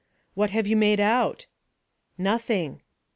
"What have you made out?" "Nothing."